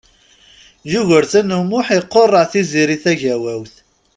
Yugurten U Muḥ iqureɛ Tiziri Tagawawt.